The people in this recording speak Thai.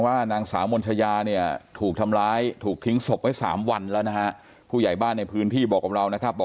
ประจำครับประจำเลยไปคุยกันสองคนอย่างงี้ครับ